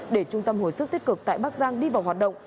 để trung tâm hồi sức tích cực tại bắc giang đi vào hoạt động